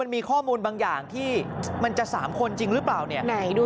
มีข้อมูลบางอย่างที่มันจะ๓คนจริงหรือเปล่าเนี่ย